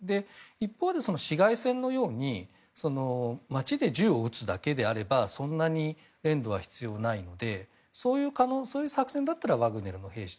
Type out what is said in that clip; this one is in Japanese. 一方で市街戦のように街で銃を撃つだけであればそんなに練度は必要ないのでそういう作戦だったらワグネルの兵士。